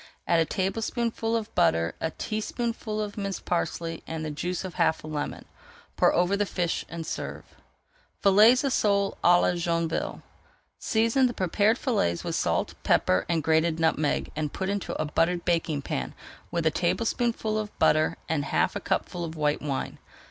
Add a tablespoonful of butter, a teaspoonful of minced parsley, and the juice of half a lemon. Pour over the fish and serve. FILLETS OF SOLE À LA JOINVILLE Season the prepared fillets with salt, pepper, and grated nutmeg, and put into a buttered baking pan with a tablespoonful of butter [Page 387] and half a cupful of white wine.